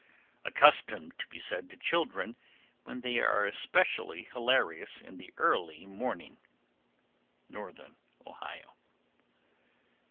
Accustomed to be said to children when they were especially hilarious in the early morning. _Northern Ohio.